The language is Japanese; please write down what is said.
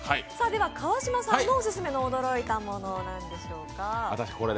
では川島さんのオススメの驚いたもの、何でしょうか。